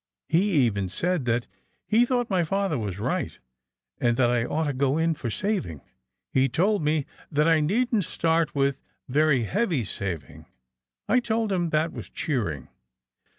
He even said that he thought my father was right, and that I ought to go in for saving. He told me that I needn't start with very heavy saving. I told him that was cheering.